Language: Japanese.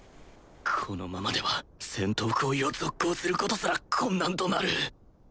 このままでは戦闘行為を続行することすら困難となる